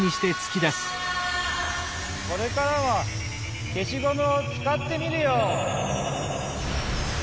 これからはけしゴムをつかってみるよ。